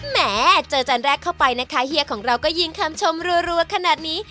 แหมเจอจันแรกเข้าไปนะคะเฮียของเราก็ยิงคำชมรัวขนาดนี้